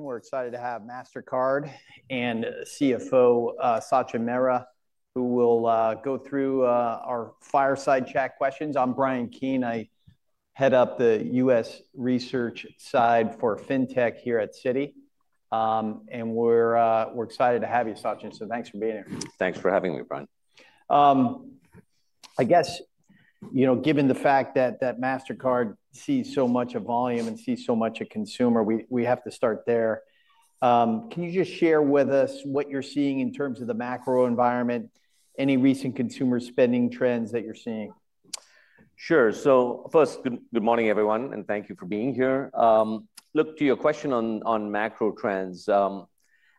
We're excited to have Mastercard and CFO Sachin Mehra, who will go through our fireside chat questions. I'm Bryan Keane. I head up the U.S. research side for fintech here at Citi. We're excited to have you, Sachin. Thanks for being here. Thanks for having me, Bryan. I guess, you know, given the fact that Mastercard sees so much of volume and sees so much of consumer, we have to start there. Can you just share with us what you're seeing in terms of the macro environment, any recent consumer spending trends that you're seeing? Sure. First, good morning, everyone, and thank you for being here. Look, to your question on macro trends,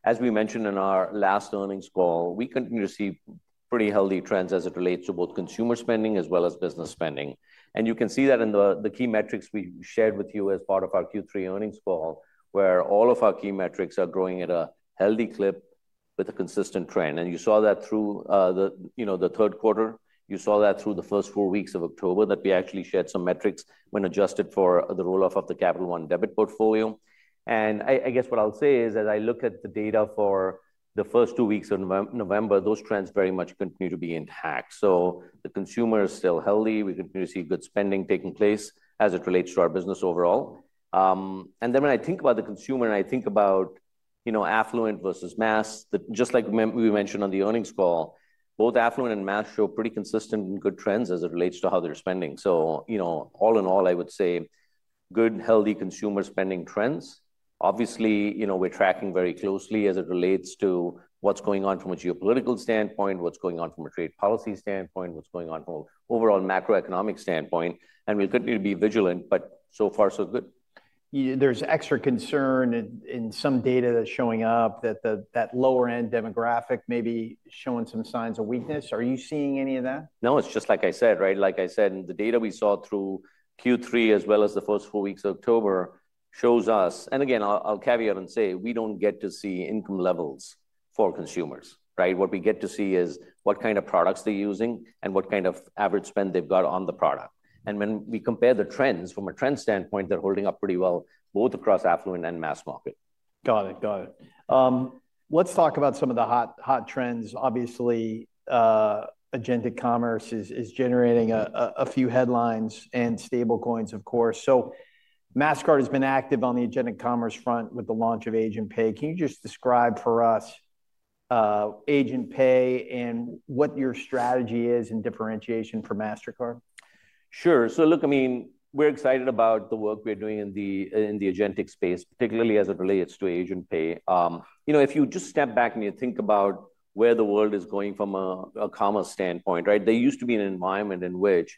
as we mentioned in our last earnings call, we continue to see pretty healthy trends as it relates to both consumer spending as well as business spending. You can see that in the key metrics we shared with you as part of our Q3 earnings call, where all of our key metrics are growing at a healthy clip with a consistent trend. You saw that through the third quarter. You saw that through the first four weeks of October that we actually shared some metrics when adjusted for the rolloff of the Capital One debit portfolio. I guess what I'll say is, as I look at the data for the first two weeks of November, those trends very much continue to be intact. The consumer is still healthy. We continue to see good spending taking place as it relates to our business overall. When I think about the consumer and I think about affluent versus mass, just like we mentioned on the earnings call, both affluent and mass show pretty consistent and good trends as it relates to how they're spending. All in all, I would say good, healthy consumer spending trends. Obviously, you know, we're tracking very closely as it relates to what's going on from a geopolitical standpoint, what's going on from a trade policy standpoint, what's going on from an overall macroeconomic standpoint. We'll continue to be vigilant, but so far, so good. There's extra concern in some data that's showing up that that lower-end demographic may be showing some signs of weakness. Are you seeing any of that? No, it's just like I said, right? Like I said, the data we saw through Q3 as well as the first four weeks of October shows us, and again, I'll caveat and say, we don't get to see income levels for consumers, right? What we get to see is what kind of products they're using and what kind of average spend they've got on the product. When we compare the trends, from a trend standpoint, they're holding up pretty well both across affluent and mass market. Got it. Got it. Let's talk about some of the hot trends. Obviously, agentic commerce is generating a few headlines and stablecoins, of course. Mastercard has been active on the agentic commerce front with the launch of Agent Pay. Can you just describe for us Agent Pay and what your strategy is in differentiation for Mastercard? Sure. Look, I mean, we're excited about the work we're doing in the agentic space, particularly as it relates to Agent Pay. You know, if you just step back and you think about where the world is going from a commerce standpoint, right, there used to be an environment in which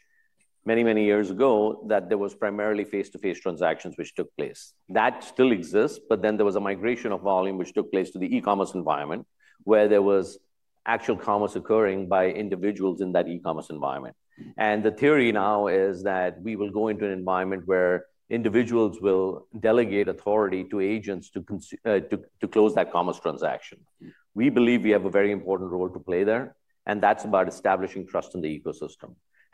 many, many years ago that there was primarily face-to-face transactions which took place. That still exists, but then there was a migration of volume which took place to the e-commerce environment where there was actual commerce occurring by individuals in that e-commerce environment. The theory now is that we will go into an environment where individuals will delegate authority to agents to close that commerce transaction. We believe we have a very important role to play there, and that's about establishing trust in the ecosystem.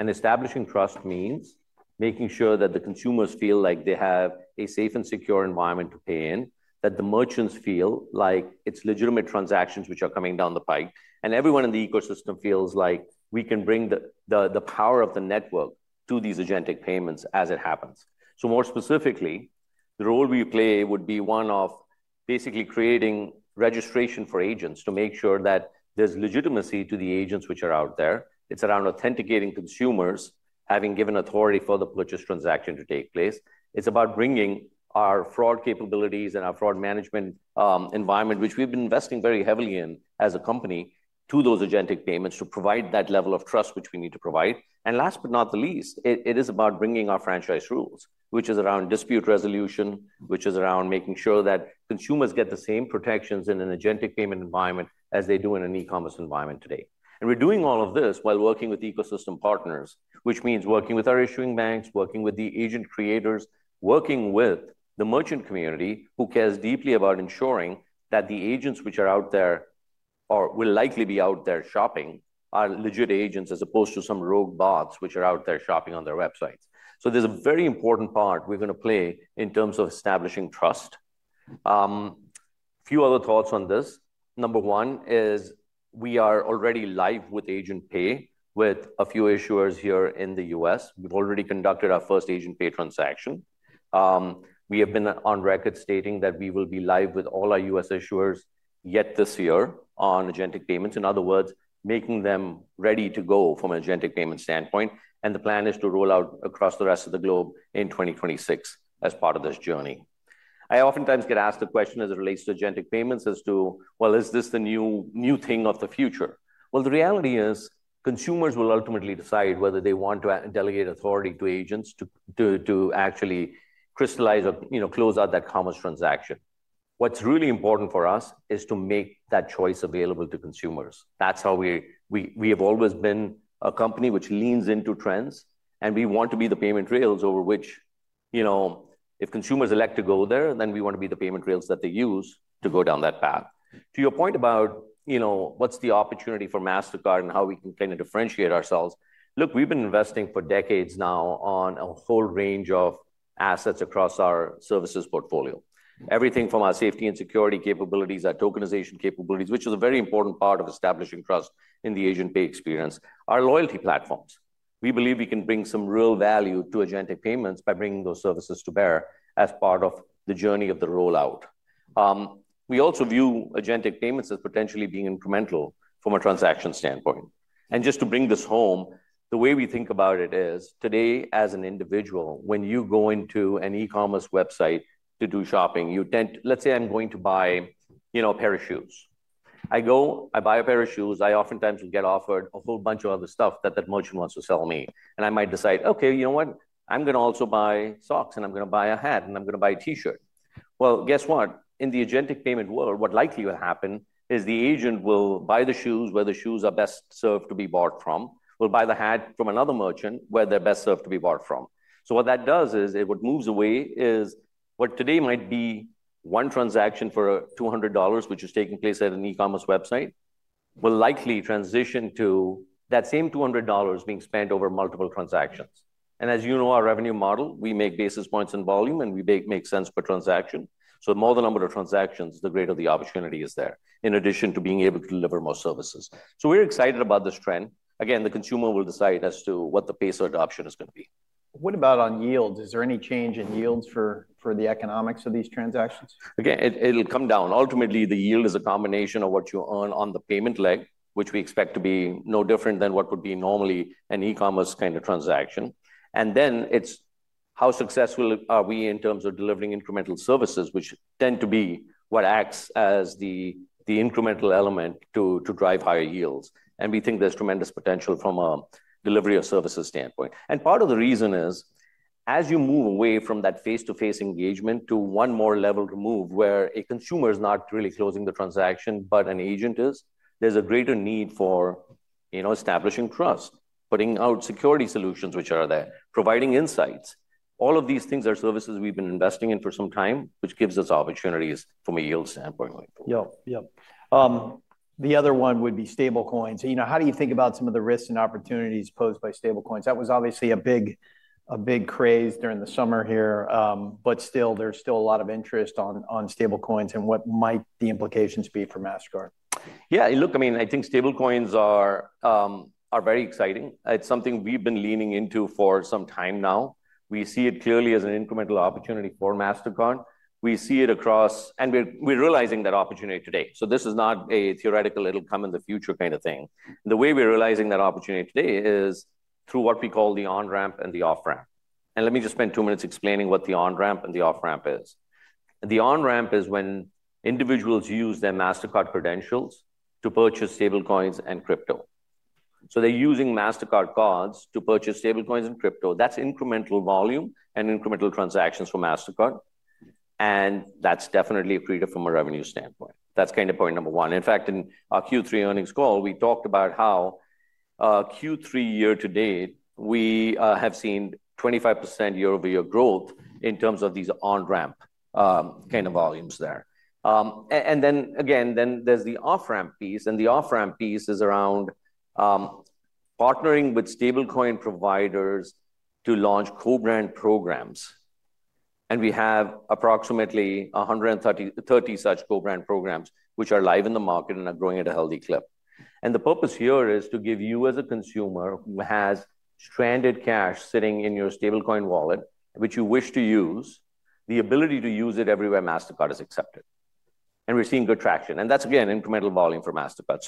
Establishing trust means making sure that the consumers feel like they have a safe and secure environment to pay in, that the merchants feel like it's legitimate transactions which are coming down the pike, and everyone in the ecosystem feels like we can bring the power of the network to these agentic payments as it happens. More specifically, the role we play would be one of basically creating registration for agents to make sure that there's legitimacy to the agents which are out there. It's around authenticating consumers, having given authority for the purchase transaction to take place. It's about bringing our fraud capabilities and our fraud management environment, which we've been investing very heavily in as a company, to those agentic payments to provide that level of trust which we need to provide. Last but not the least, it is about bringing our franchise rules, which is around dispute resolution, which is around making sure that consumers get the same protections in an agentic payment environment as they do in an e-commerce environment today. We are doing all of this while working with ecosystem partners, which means working with our issuing banks, working with the agent creators, working with the merchant community who cares deeply about ensuring that the agents which are out there or will likely be out there shopping are legit agents as opposed to some rogue bots which are out there shopping on their websites. There is a very important part we are going to play in terms of establishing trust. A few other thoughts on this. Number one is we are already live with Agent Pay with a few issuers here in the U.S. We've already conducted our first Agent Pay transaction. We have been on record stating that we will be live with all our U.S. issuers yet this year on agentic payments. In other words, making them ready to go from an agentic payment standpoint. The plan is to roll out across the rest of the globe in 2026 as part of this journey. I oftentimes get asked the question as it relates to agentic payments as to, well, is this the new thing of the future? The reality is consumers will ultimately decide whether they want to delegate authority to agents to actually crystallize or close out that commerce transaction. What's really important for us is to make that choice available to consumers. That's how we have always been a company which leans into trends, and we want to be the payment rails over which, you know, if consumers elect to go there, then we want to be the payment rails that they use to go down that path. To your point about, you know, what's the opportunity for Mastercard and how we can kind of differentiate ourselves, look, we've been investing for decades now on a whole range of assets across our services portfolio. Everything from our safety and security capabilities, our tokenization capabilities, which is a very important part of establishing trust in the Agent Pay experience, our loyalty platforms. We believe we can bring some real value to agentic payments by bringing those services to bear as part of the journey of the rollout. We also view agentic payments as potentially being incremental from a transaction standpoint. Just to bring this home, the way we think about it is today as an individual, when you go into an e-commerce website to do shopping, you tend, let's say I'm going to buy, you know, a pair of shoes. I go, I buy a pair of shoes. I oftentimes will get offered a whole bunch of other stuff that that merchant wants to sell me. I might decide, okay, you know what? I'm going to also buy socks, and I'm going to buy a hat, and I'm going to buy a t-shirt. Guess what? In the agentic payment world, what likely will happen is the agent will buy the shoes where the shoes are best served to be bought from, will buy the hat from another merchant where they're best served to be bought from. What that does is it would move away is what today might be one transaction for $200, which is taking place at an e-commerce website, will likely transition to that same $200 being spent over multiple transactions. And as you know, our revenue model, we make basis points in volume, and we make cents per transaction. The more the number of transactions, the greater the opportunity is there in addition to being able to deliver more services. We are excited about this trend. Again, the consumer will decide as to what the pace of adoption is going to be. What about on yields? Is there any change in yields for the economics of these transactions? Again, it'll come down. Ultimately, the yield is a combination of what you earn on the payment leg, which we expect to be no different than what would be normally an e-commerce kind of transaction. Then it's how successful are we in terms of delivering incremental services, which tend to be what acts as the incremental element to drive higher yields. We think there's tremendous potential from a delivery of services standpoint. Part of the reason is, as you move away from that face-to-face engagement to one more level to move where a consumer is not really closing the transaction, but an agent is, there's a greater need for, you know, establishing trust, putting out security solutions which are there, providing insights. All of these things are services we've been investing in for some time, which gives us opportunities from a yield standpoint. Yeah. Yeah. The other one would be stablecoins. You know, how do you think about some of the risks and opportunities posed by stablecoins? That was obviously a big craze during the summer here, but still, there's still a lot of interest on stablecoins and what might the implications be for Mastercard? Yeah. Look, I mean, I think stablecoins are very exciting. It's something we've been leaning into for some time now. We see it clearly as an incremental opportunity for Mastercard. We see it across, and we're realizing that opportunity today. This is not a theoretical, it'll come in the future kind of thing. The way we're realizing that opportunity today is through what we call the on-ramp and the off-ramp. Let me just spend two minutes explaining what the on-ramp and the off-ramp is. The on-ramp is when individuals use their Mastercard credentials to purchase stablecoins and crypto. They're using Mastercard cards to purchase stablecoins and crypto. That's incremental volume and incremental transactions for Mastercard. That's definitely a freedom from a revenue standpoint. That's kind of point number one. In fact, in our Q3 earnings call, we talked about how Q3 year-to-date, we have seen 25% year-over-year growth in terms of these on-ramp kind of volumes there. Then again, there is the off-ramp piece. The off-ramp piece is around partnering with stablecoin providers to launch co-brand programs. We have approximately 130 such co-brand programs which are live in the market and are growing at a healthy clip. The purpose here is to give you as a consumer who has stranded cash sitting in your stablecoin wallet, which you wish to use, the ability to use it everywhere Mastercard is accepted. We are seeing good traction. That is, again, incremental volume for Mastercard.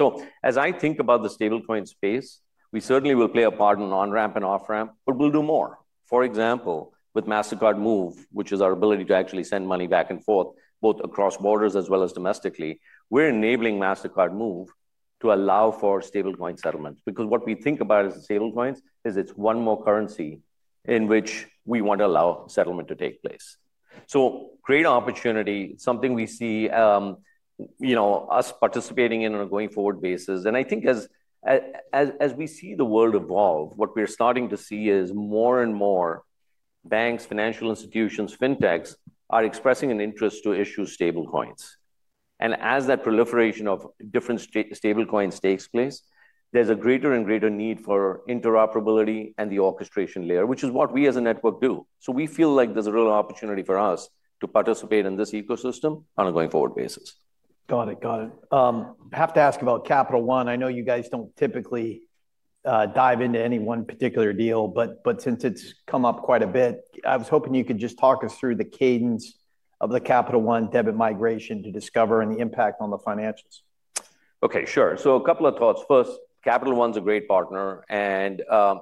As I think about the stablecoin space, we certainly will play a part in on-ramp and off-ramp, but we will do more. For example, with Mastercard Move, which is our ability to actually send money back and forth both across borders as well as domestically, we're enabling Mastercard Move to allow for stablecoin settlements. Because what we think about as stablecoins is it's one more currency in which we want to allow settlement to take place. Great opportunity, something we see, you know, us participating in on a going forward basis. I think as we see the world evolve, what we're starting to see is more and more banks, financial institutions, fintechs are expressing an interest to issue stablecoins. As that proliferation of different stablecoins takes place, there's a greater and greater need for interoperability and the orchestration layer, which is what we as a network do. We feel like there's a real opportunity for us to participate in this ecosystem on a going forward basis. Got it. Got it. I have to ask about Capital One. I know you guys do not typically dive into any one particular deal, but since it has come up quite a bit, I was hoping you could just talk us through the cadence of the Capital One debit migration to Discover and the impact on the financials. Okay, sure. A couple of thoughts. First, Capital One's a great partner.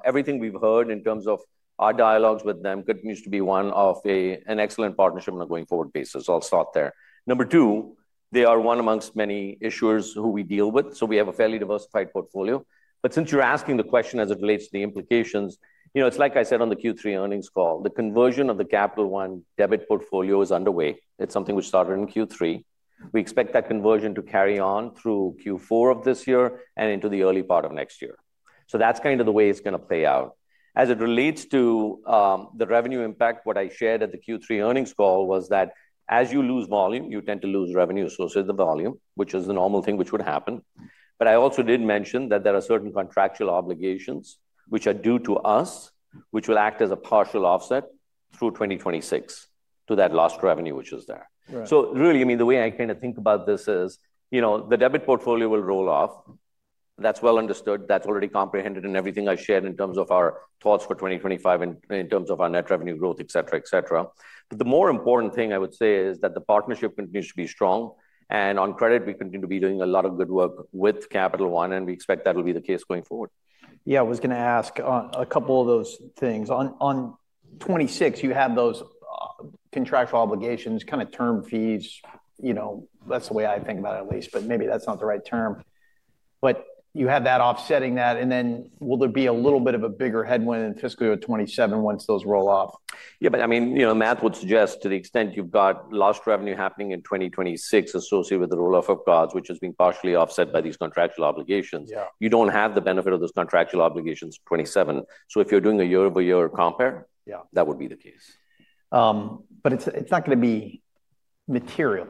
Everything we've heard in terms of our dialogues with them continues to be one of an excellent partnership on a going forward basis. I'll start there. Number two, they are one amongst many issuers who we deal with. We have a fairly diversified portfolio. Since you're asking the question as it relates to the implications, you know, like I said on the Q3 earnings call, the conversion of the Capital One debit portfolio is underway. It's something we started in Q3. We expect that conversion to carry on through Q4 of this year and into the early part of next year. That's kind of the way it's going to play out. As it relates to the revenue impact, what I shared at the Q3 earnings call was that as you lose volume, you tend to lose revenue. So is the volume, which is the normal thing which would happen. I also did mention that there are certain contractual obligations which are due to us, which will act as a partial offset through 2026 to that lost revenue which is there. I mean, the way I kind of think about this is, you know, the debit portfolio will roll off. That's well understood. That's already comprehended in everything I shared in terms of our thoughts for 2025 and in terms of our net revenue growth, et cetera, et cetera. The more important thing I would say is that the partnership continues to be strong. On credit, we continue to be doing a lot of good work with Capital One, and we expect that will be the case going forward. Yeah, I was going to ask a couple of those things. On 2026, you have those contractual obligations, kind of term fees, you know, that's the way I think about it at least, but maybe that's not the right term. You have that offsetting that. Will there be a little bit of a bigger headwind in fiscal year 2027 once those roll off? Yeah, but I mean, you know, math would suggest to the extent you've got lost revenue happening in 2026 associated with the roll-off of cards, which has been partially offset by these contractual obligations, you don't have the benefit of those contractual obligations in 2027. If you're doing a year-over-year compare, that would be the case. It is not going to be material.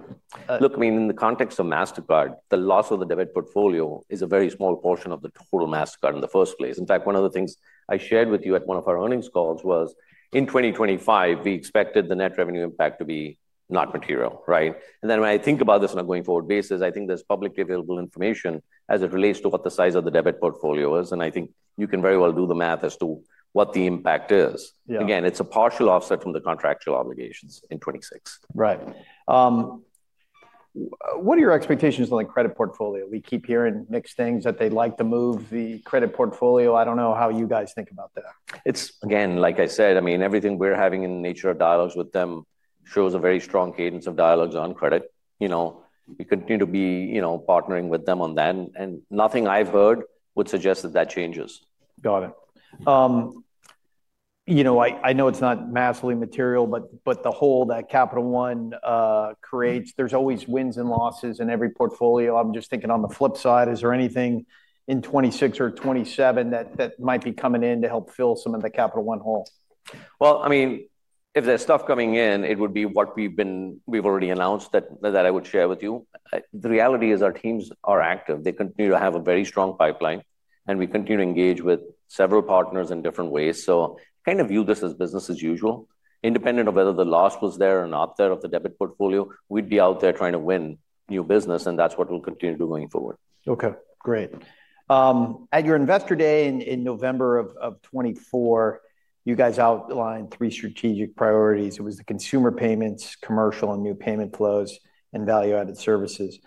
Look, I mean, in the context of Mastercard, the loss of the debit portfolio is a very small portion of the total Mastercard in the first place. In fact, one of the things I shared with you at one of our earnings calls was in 2025, we expected the net revenue impact to be not material, right? When I think about this on a going forward basis, I think there is publicly available information as it relates to what the size of the debit portfolio is. I think you can very well do the math as to what the impact is. Again, it is a partial offset from the contractual obligations in 2026. Right. What are your expectations on the credit portfolio? We keep hearing mixed things that they'd like to move the credit portfolio. I don't know how you guys think about that. It's, again, like I said, I mean, everything we're having in nature of dialogues with them shows a very strong cadence of dialogues on credit. You know, we continue to be, you know, partnering with them on that. Nothing I've heard would suggest that that changes. Got it. You know, I know it's not massively material, but the hole that Capital One creates, there's always wins and losses in every portfolio. I'm just thinking on the flip side, is there anything in 2026 or 2027 that might be coming in to help fill some of the Capital One hole? I mean, if there's stuff coming in, it would be what we've been, we've already announced that I would share with you. The reality is our teams are active. They continue to have a very strong pipeline, and we continue to engage with several partners in different ways. Kind of view this as business as usual. Independent of whether the loss was there or not there of the debit portfolio, we'd be out there trying to win new business, and that's what we'll continue to do going forward. Okay. Great. At your investor day in November of 2024, you guys outlined three strategic priorities. It was the consumer payments, commercial and new payment flows, and value-added services.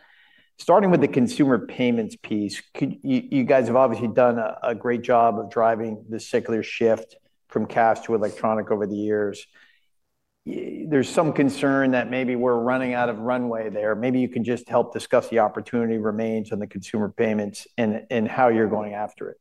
Starting with the consumer payments piece, you guys have obviously done a great job of driving the secular shift from cash to electronic over the years. There's some concern that maybe we're running out of runway there. Maybe you can just help discuss the opportunity remains on the consumer payments and how you're going after it.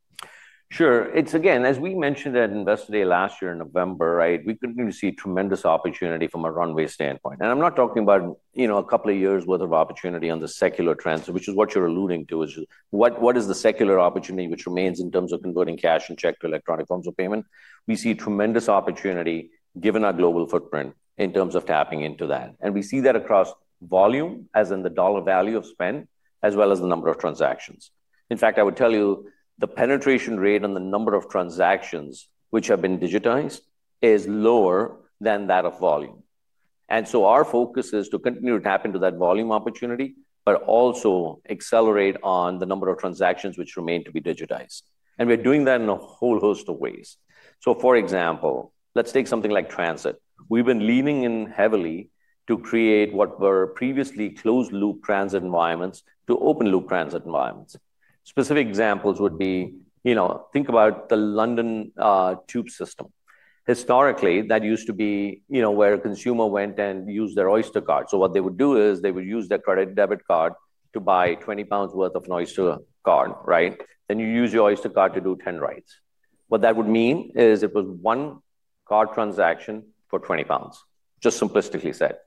Sure. It's, again, as we mentioned at investor day last year in November, right, we continue to see tremendous opportunity from a runway standpoint. I'm not talking about, you know, a couple of years' worth of opportunity on the secular transfer, which is what you're alluding to, which is what is the secular opportunity which remains in terms of converting cash and check to electronic forms of payment. We see tremendous opportunity given our global footprint in terms of tapping into that. We see that across volume, as in the dollar value of spend, as well as the number of transactions. In fact, I would tell you the penetration rate on the number of transactions which have been digitized is lower than that of volume. Our focus is to continue to tap into that volume opportunity, but also accelerate on the number of transactions which remain to be digitized. We are doing that in a whole host of ways. For example, let's take something like transit. We have been leaning in heavily to create what were previously closed-loop transit environments to open-loop transit environments. Specific examples would be, you know, think about the London Tube system. Historically, that used to be, you know, where a consumer went and used their Oyster card. What they would do is they would use their credit debit card to buy 20 pounds worth of an Oyster card, right? Then you use your Oyster card to do 10 rides. What that would mean is it was one card transaction for 20 pounds, just simplistically said.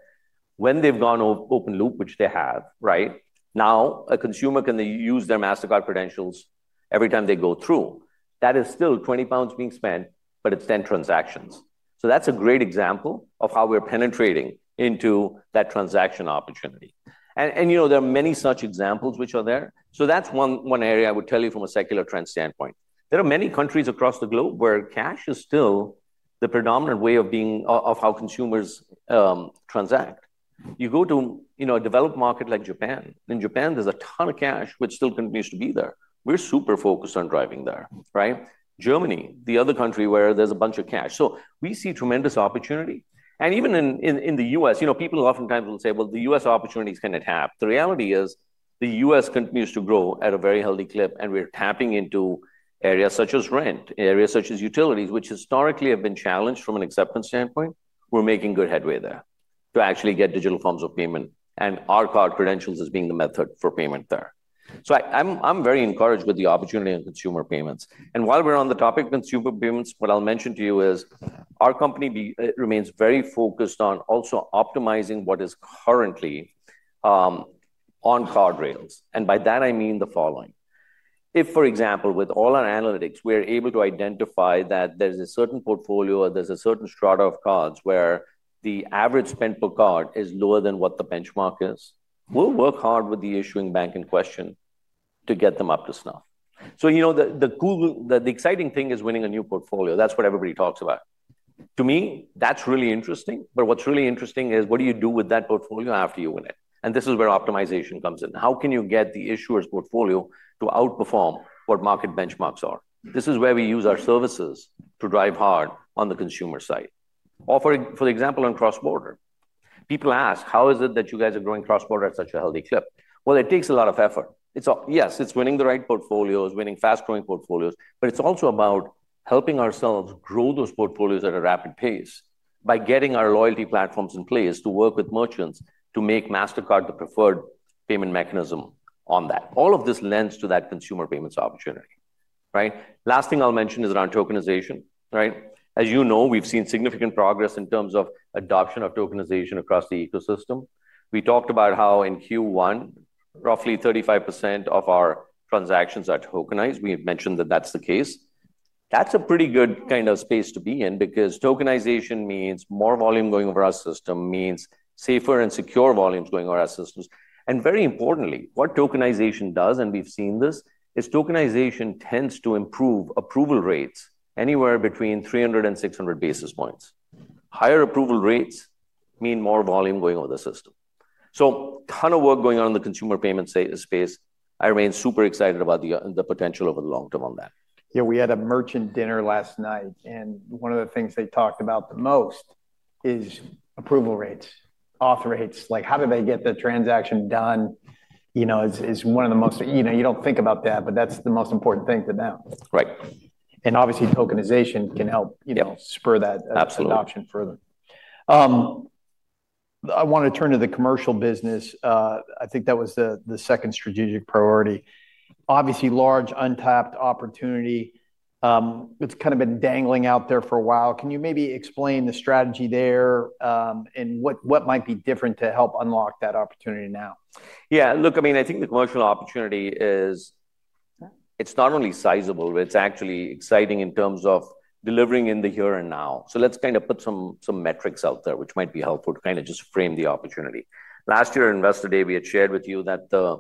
When they've gone open-loop, which they have, right, now a consumer can use their Mastercard credentials every time they go through. That is still 20 pounds being spent, but it's 10 transactions. That's a great example of how we're penetrating into that transaction opportunity. You know, there are many such examples which are there. That's one area I would tell you from a secular trend standpoint. There are many countries across the globe where cash is still the predominant way of being, of how consumers transact. You go to, you know, a developed market like Japan. In Japan, there's a ton of cash, which still continues to be there. We're super focused on driving there, right? Germany, the other country where there's a bunch of cash. We see tremendous opportunity. Even in the U.S., you know, people oftentimes will say, well, the U.S. opportunity is going to tap. The reality is the U.S. continues to grow at a very healthy clip, and we're tapping into areas such as rent, areas such as utilities, which historically have been challenged from an acceptance standpoint. We're making good headway there to actually get digital forms of payment and our card credentials as being the method for payment there. I'm very encouraged with the opportunity in consumer payments. While we're on the topic of consumer payments, what I'll mention to you is our company remains very focused on also optimizing what is currently on card rails. By that, I mean the following. If, for example, with all our analytics, we're able to identify that there's a certain portfolio or there's a certain strata of cards where the average spent per card is lower than what the benchmark is, we'll work hard with the issuing bank in question to get them up to snuff. You know, the cool, the exciting thing is winning a new portfolio. That's what everybody talks about. To me, that's really interesting. What's really interesting is what do you do with that portfolio after you win it? This is where optimization comes in. How can you get the issuer's portfolio to outperform what market benchmarks are? This is where we use our services to drive hard on the consumer side. For example, on cross-border, people ask, how is it that you guys are growing cross-border at such a healthy clip? It takes a lot of effort. Yes, it's winning the right portfolios, winning fast-growing portfolios, but it's also about helping ourselves grow those portfolios at a rapid pace by getting our loyalty platforms in place to work with merchants to make Mastercard the preferred payment mechanism on that. All of this lends to that consumer payments opportunity, right? Last thing I'll mention is around tokenization, right? As you know, we've seen significant progress in terms of adoption of tokenization across the ecosystem. We talked about how in Q1, roughly 35% of our transactions are tokenized. We have mentioned that that's the case. That's a pretty good kind of space to be in because tokenization means more volume going over our system, means safer and secure volumes going over our systems. Very importantly, what tokenization does, and we've seen this, is tokenization tends to improve approval rates anywhere between 300 and 600 basis points. Higher approval rates mean more volume going over the system. A ton of work going on in the consumer payment space. I remain super excited about the potential over the long term on that. Yeah, we had a merchant dinner last night, and one of the things they talked about the most is approval rates, auth rates. Like how do they get the transaction done, you know, is one of the most, you know, you do not think about that, but that is the most important thing to know. Right. Obviously, tokenization can help, you know, spur that adoption further. Absolutely. I want to turn to the commercial business. I think that was the second strategic priority. Obviously, large untapped opportunity. It's kind of been dangling out there for a while. Can you maybe explain the strategy there and what might be different to help unlock that opportunity now? Yeah, look, I mean, I think the commercial opportunity is, it's not only sizable, but it's actually exciting in terms of delivering in the here and now. Let's kind of put some metrics out there, which might be helpful to kind of just frame the opportunity. Last year on investor day, we had shared with you that the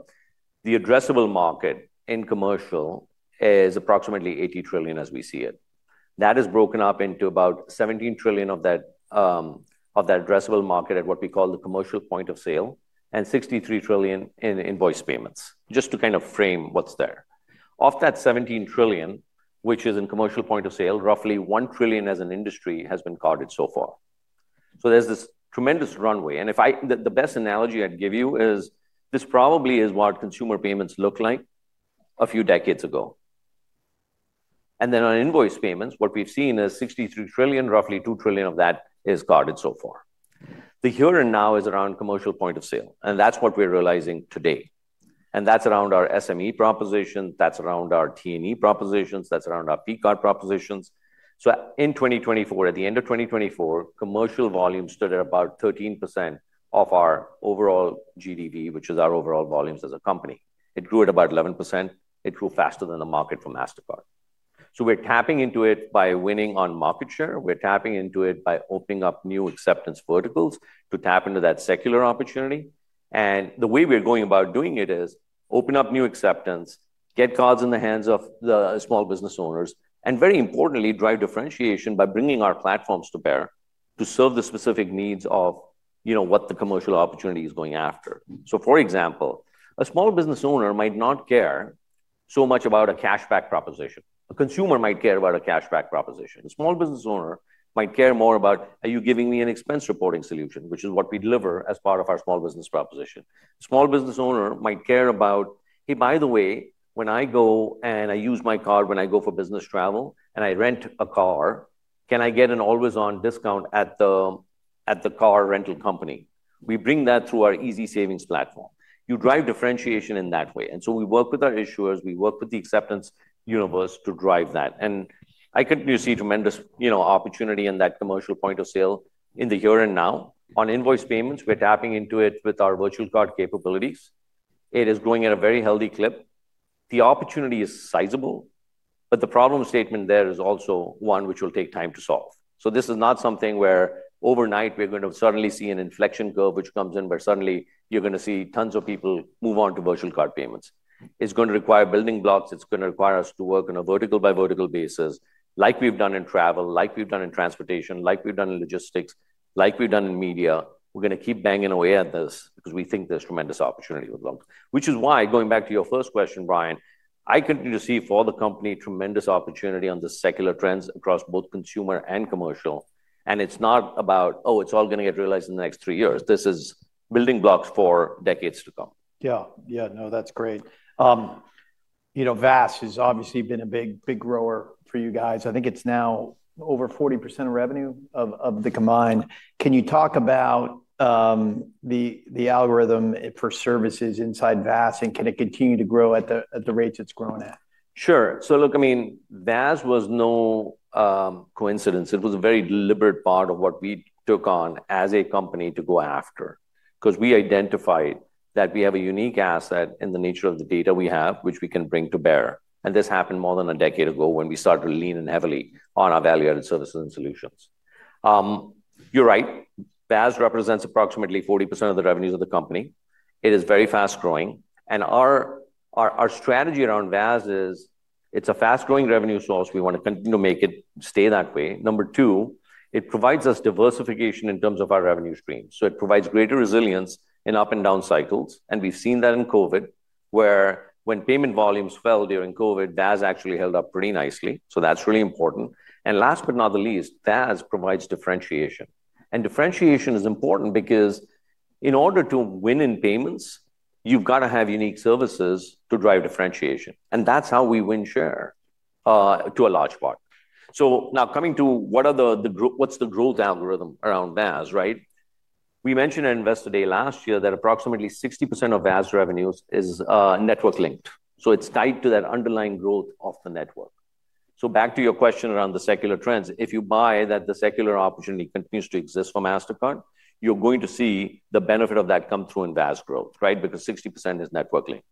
addressable market in commercial is approximately $80 trillion as we see it. That is broken up into about $17 trillion of that addressable market at what we call the commercial point of sale and $63 trillion in invoice payments, just to kind of frame what's there. Of that $17 trillion, which is in commercial point of sale, roughly $1 trillion as an industry has been carded so far. There's this tremendous runway. If I, the best analogy I'd give you is this probably is what consumer payments looked like a few decades ago. Then on invoice payments, what we've seen is $63 trillion, roughly $2 trillion of that is carded so far. The here and now is around commercial point of sale, and that's what we're realizing today. That's around our SME proposition. That's around our T&E propositions. That's around our P-Card propositions. In 2024, at the end of 2024, commercial volume stood at about 13% of our overall GDV, which is our overall volumes as a company. It grew at about 11%. It grew faster than the market for Mastercard. We're tapping into it by winning on market share. We're tapping into it by opening up new acceptance verticals to tap into that secular opportunity. The way we're going about doing it is open up new acceptance, get cards in the hands of the small business owners, and very importantly, drive differentiation by bringing our platforms to bear to serve the specific needs of, you know, what the commercial opportunity is going after. For example, a small business owner might not care so much about a cashback proposition. A consumer might care about a cashback proposition. A small business owner might care more about, are you giving me an expense reporting solution, which is what we deliver as part of our small business proposition. A small business owner might care about, hey, by the way, when I go and I use my card when I go for business travel and I rent a car, can I get an always-on discount at the car rental company? We bring that through our Easy Savings platform. You drive differentiation in that way. We work with our issuers. We work with the acceptance universe to drive that. I continue to see tremendous, you know, opportunity in that commercial point of sale in the here and now. On invoice payments, we're tapping into it with our virtual card capabilities. It is growing at a very healthy clip. The opportunity is sizable, but the problem statement there is also one which will take time to solve. This is not something where overnight we're going to suddenly see an inflection curve which comes in where suddenly you're going to see tons of people move on to virtual card payments. It's going to require building blocks. It's going to require us to work on a vertical by vertical basis, like we've done in travel, like we've done in transportation, like we've done in logistics, like we've done in media. We're going to keep banging away at this because we think there's tremendous opportunity with them. Which is why, going back to your first question, Bryan, I continue to see for the company tremendous opportunity on the secular trends across both consumer and commercial. It's not about, oh, it's all going to get realized in the next three years. This is building blocks for decades to come. Yeah. Yeah. No, that's great. You know, VAS has obviously been a big, big grower for you guys. I think it's now over 40% of revenue of the combined. Can you talk about the algorithm for services inside VAS, and can it continue to grow at the rates it's grown at? Sure. So look, I mean, VAS was no coincidence. It was a very deliberate part of what we took on as a company to go after because we identified that we have a unique asset in the nature of the data we have, which we can bring to bear. This happened more than a decade ago when we started to lean in heavily on our value-added services and solutions. You're right. VAS represents approximately 40% of the revenues of the company. It is very fast growing. Our strategy around VAS is it's a fast-growing revenue source. We want to continue to make it stay that way. Number two, it provides us diversification in terms of our revenue streams. It provides greater resilience in up and down cycles. We've seen that in COVID, where when payment volumes fell during COVID, VAS actually held up pretty nicely. That's really important. Last but not the least, VAS provides differentiation. Differentiation is important because in order to win in payments, you've got to have unique services to drive differentiation. That's how we win share to a large part. Now coming to what are the, what's the growth algorithm around VAS, right? We mentioned at investor day last year that approximately 60% of VAS revenues is network linked. It's tied to that underlying growth of the network. Back to your question around the secular trends, if you buy that the secular opportunity continues to exist for Mastercard, you're going to see the benefit of that come through in VAS growth, right? Because 60% is network linked.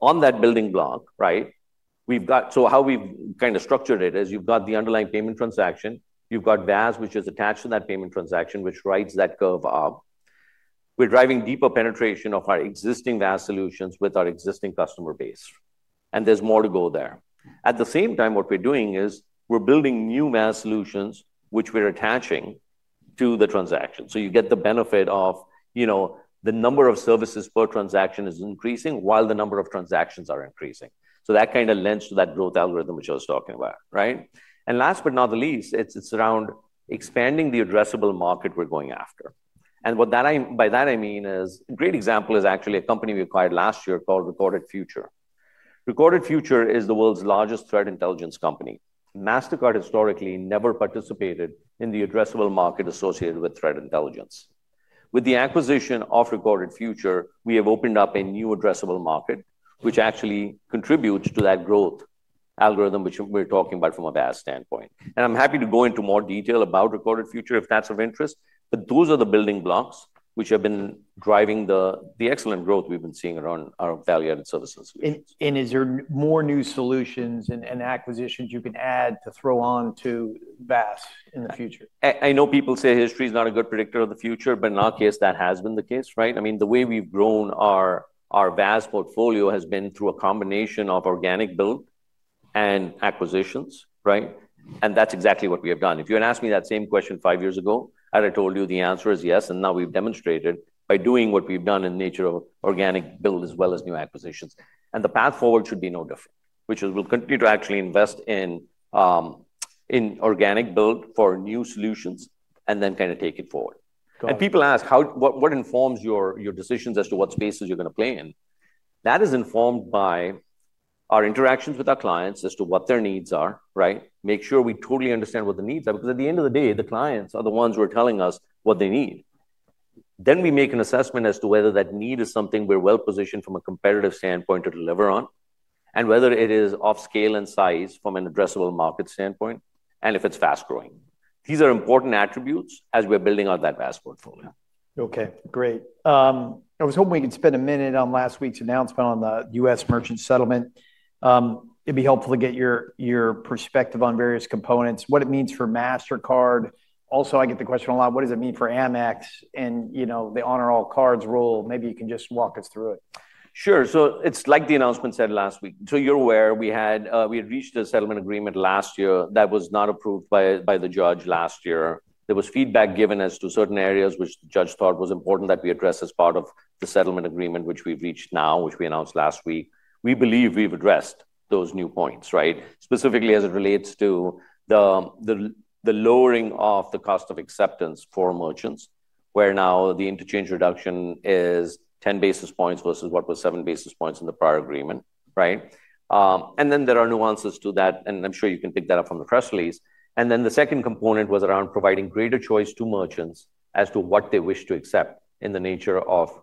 On that building block, right? We've got, so how we've kind of structured it is you've got the underlying payment transaction. You've got VAS, which is attached to that payment transaction, which rides that curve up. We're driving deeper penetration of our existing VAS solutions with our existing customer base. There's more to go there. At the same time, what we're doing is we're building new VAS solutions, which we're attaching to the transaction. You get the benefit of, you know, the number of services per transaction is increasing while the number of transactions are increasing. That kind of lends to that growth algorithm, which I was talking about, right? Last but not the least, it's around expanding the addressable market we're going after. By that I mean a great example is actually a company we acquired last year called Recorded Future. Recorded Future is the world's largest threat intelligence company. Mastercard historically never participated in the addressable market associated with threat intelligence. With the acquisition of Recorded Future, we have opened up a new addressable market, which actually contributes to that growth algorithm, which we are talking about from a VAS standpoint. I am happy to go into more detail about Recorded Future if that is of interest, but those are the building blocks which have been driving the excellent growth we have been seeing around our value-added services. Is there more new solutions and acquisitions you can add to throw on to VAS in the future? I know people say history is not a good predictor of the future, but in our case, that has been the case, right? I mean, the way we've grown our VAS portfolio has been through a combination of organic build and acquisitions, right? That's exactly what we have done. If you had asked me that same question five years ago, I'd have told you the answer is yes. Now we've demonstrated by doing what we've done in the nature of organic build as well as new acquisitions. The path forward should be no different, which is we'll continue to actually invest in organic build for new solutions and then kind of take it forward. People ask how, what informs your decisions as to what spaces you're going to play in? That is informed by our interactions with our clients as to what their needs are, right? Make sure we totally understand what the needs are, because at the end of the day, the clients are the ones who are telling us what they need. Then we make an assessment as to whether that need is something we're well positioned from a competitive standpoint to deliver on and whether it is of scale and size from an addressable market standpoint and if it's fast growing. These are important attributes as we're building out that VAS portfolio. Okay. Great. I was hoping we could spend a minute on last week's announcement on the U.S. merchant settlement. It'd be helpful to get your perspective on various components, what it means for Mastercard. Also, I get the question a lot, what does it mean for AmEx and, you know, the honor all cards rule? Maybe you can just walk us through it. Sure. Like the announcement said last week, as you are aware, we had reached a settlement agreement last year that was not approved by the judge last year. There was feedback given as to certain areas which the judge thought was important that we address as part of the settlement agreement, which we have reached now, which we announced last week. We believe we have addressed those new points, right? Specifically as it relates to the lowering of the cost of acceptance for merchants, where now the interchange reduction is 10 basis points versus what was seven basis points in the prior agreement, right? There are nuances to that, and I am sure you can pick that up from the press release. The second component was around providing greater choice to merchants as to what they wish to accept in the nature of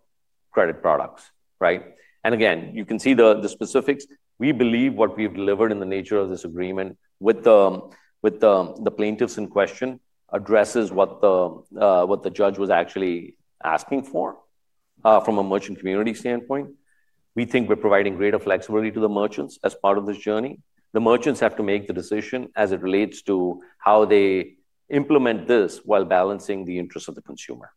credit products, right? You can see the specifics. We believe what we've delivered in the nature of this agreement with the plaintiffs in question addresses what the judge was actually asking for from a merchant community standpoint. We think we're providing greater flexibility to the merchants as part of this journey. The merchants have to make the decision as it relates to how they implement this while balancing the interests of the consumer.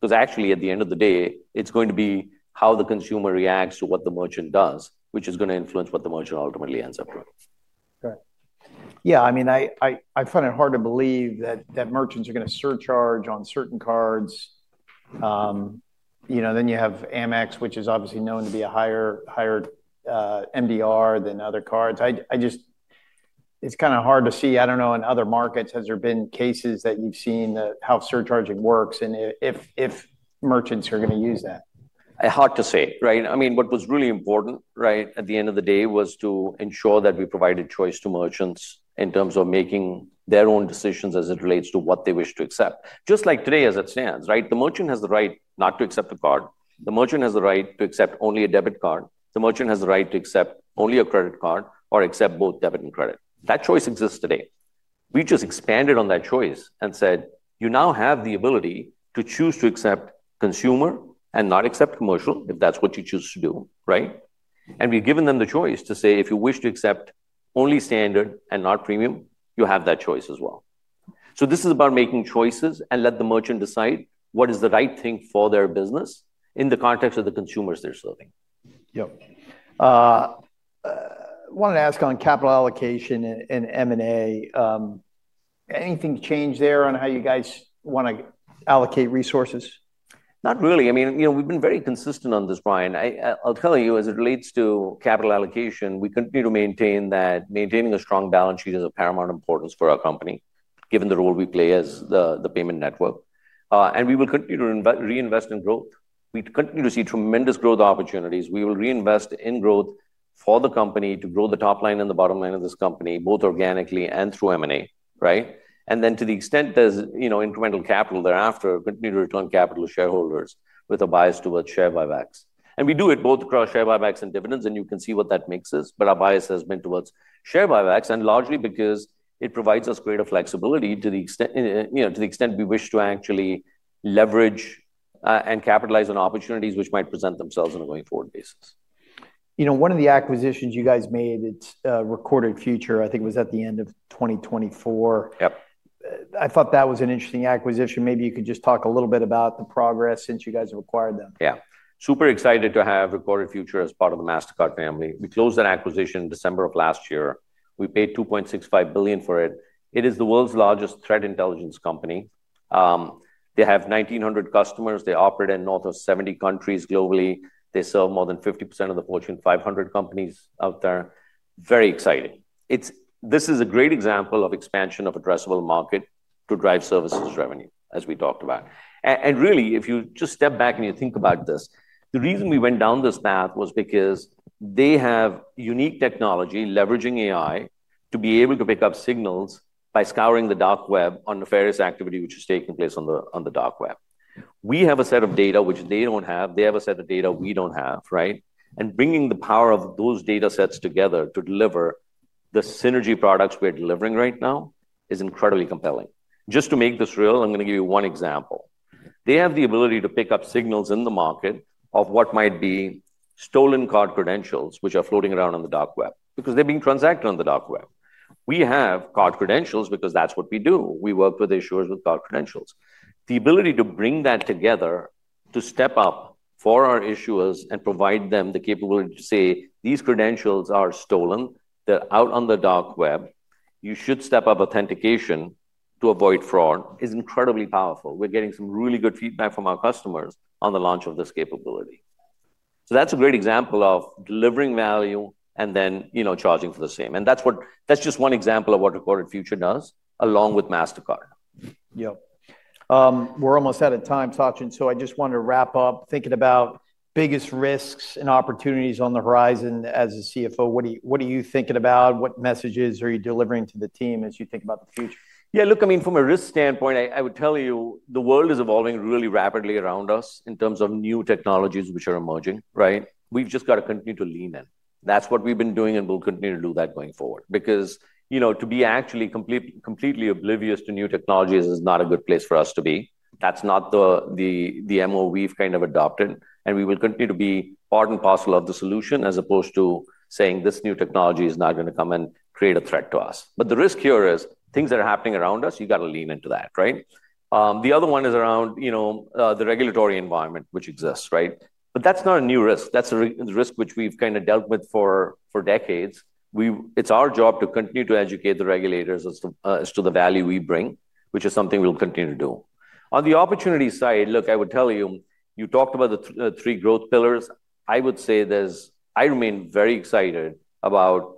Because actually, at the end of the day, it's going to be how the consumer reacts to what the merchant does, which is going to influence what the merchant ultimately ends up doing. Right. Yeah. I mean, I find it hard to believe that merchants are going to surcharge on certain cards. You know, then you have AmEx, which is obviously known to be a higher MDR than other cards. I just, it's kind of hard to see, I don't know, in other markets, has there been cases that you've seen that how surcharging works and if merchants are going to use that? I hope to see, right? I mean, what was really important, right, at the end of the day was to ensure that we provided choice to merchants in terms of making their own decisions as it relates to what they wish to accept. Just like today as it stands, right? The merchant has the right not to accept a card. The merchant has the right to accept only a debit card. The merchant has the right to accept only a credit card or accept both debit and credit. That choice exists today. We just expanded on that choice and said, you now have the ability to choose to accept consumer and not accept commercial if that's what you choose to do, right? We have given them the choice to say, if you wish to accept only standard and not premium, you have that choice as well. This is about making choices and let the merchant decide what is the right thing for their business in the context of the consumers they're serving. Yep. I want to ask on capital allocation and M&A. Anything change there on how you guys want to allocate resources? Not really. I mean, you know, we've been very consistent on this, Bryan. I'll tell you, as it relates to capital allocation, we continue to maintain that maintaining a strong balance sheet is of paramount importance for our company, given the role we play as the payment network. We will continue to reinvest in growth. We continue to see tremendous growth opportunities. We will reinvest in growth for the company to grow the top line and the bottom line of this company, both organically and through M&A, right? To the extent there's, you know, incremental capital thereafter, continue to return capital to shareholders with a bias towards share buybacks. We do it both across share buybacks and dividends, and you can see what that mix is. Our bias has been towards share buybacks and largely because it provides us greater flexibility to the extent, you know, to the extent we wish to actually leverage and capitalize on opportunities which might present themselves on a going forward basis. You know, one of the acquisitions you guys made at Recorded Future, I think was at the end of 2024. Yep. I thought that was an interesting acquisition. Maybe you could just talk a little bit about the progress since you guys have acquired them. Yeah. Super excited to have Recorded Future as part of the Mastercard family. We closed that acquisition in December of last year. We paid $2.65 billion for it. It is the world's largest threat intelligence company. They have 1,900 customers. They operate in north of 70 countries globally. They serve more than 50% of the Fortune 500 companies out there. Very exciting. This is a great example of expansion of addressable market to drive services revenue, as we talked about. Really, if you just step back and you think about this, the reason we went down this path was because they have unique technology leveraging AI to be able to pick up signals by scouring the dark web on nefarious activity, which is taking place on the dark web. We have a set of data which they don't have. They have a set of data we don't have, right? Bringing the power of those data sets together to deliver the synergy products we're delivering right now is incredibly compelling. Just to make this real, I'm going to give you one example. They have the ability to pick up signals in the market of what might be stolen card credentials, which are floating around on the dark web, because they're being transacted on the dark web. We have card credentials because that's what we do. We work with issuers with card credentials. The ability to bring that together to step up for our issuers and provide them the capability to say, these credentials are stolen. They're out on the dark web. You should step up authentication to avoid fraud is incredibly powerful. We're getting some really good feedback from our customers on the launch of this capability. That's a great example of delivering value and then, you know, charging for the same. And that's just one example of what Recorded Future does along with Mastercard. Yep. We're almost out of time, Sachin. So I just want to wrap up thinking about biggest risks and opportunities on the horizon as a CFO. What are you thinking about? What messages are you delivering to the team as you think about the future? Yeah, look, I mean, from a risk standpoint, I would tell you the world is evolving really rapidly around us in terms of new technologies which are emerging, right? We've just got to continue to lean in. That's what we've been doing and we'll continue to do that going forward. Because, you know, to be actually completely oblivious to new technologies is not a good place for us to be. That's not the MO we've kind of adopted. We will continue to be part and parcel of the solution as opposed to saying this new technology is not going to come and create a threat to us. The risk here is things that are happening around us, you got to lean into that, right? The other one is around, you know, the regulatory environment which exists, right? That's not a new risk. That's a risk which we've kind of dealt with for decades. It's our job to continue to educate the regulators as to the value we bring, which is something we'll continue to do. On the opportunity side, look, I would tell you, you talked about the three growth pillars. I would say there's, I remain very excited about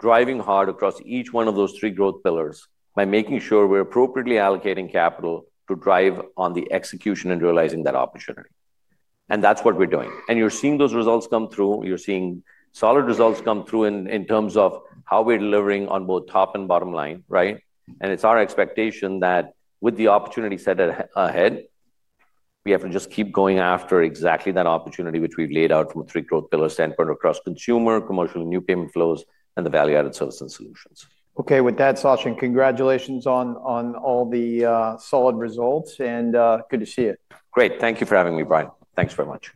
driving hard across each one of those three growth pillars by making sure we're appropriately allocating capital to drive on the execution and realizing that opportunity. That's what we're doing. You're seeing those results come through. You're seeing solid results come through in terms of how we're delivering on both top and bottom line, right? It is our expectation that with the opportunity set ahead, we have to just keep going after exactly that opportunity which we have laid out from a three growth pillar standpoint across consumer, commercial, new payment flows, and the value-added services and solutions. Okay. With that, Sachin, congratulations on all the solid results and good to see you. Great. Thank you for having me, Bryan. Thanks very much.